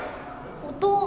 音。